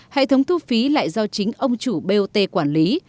hệ thống thu phí lại do chính ông chủ bot quản lý